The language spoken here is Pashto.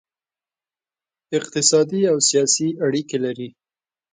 اقتصادي او سیاسي اړیکې لري